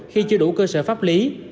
khi chưa đủ cơ sở pháp lý